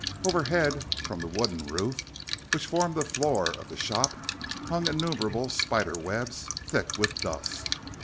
Overhead, from the wooden roof, which formed the floor of the shop, hung innumerable spider's webs thick with dust.